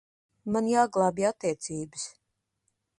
Man jāglābj attiecības.